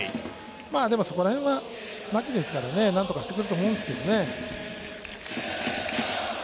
でも、そこら辺は牧ですから、何とかしてくれると思うんですけどね。